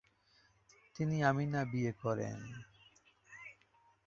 তিনি আমিনা বিয়ে করেন।